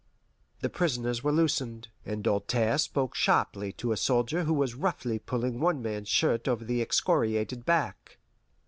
The prisoners were loosened, and Doltaire spoke sharply to a soldier who was roughly pulling one man's shirt over the excoriated back.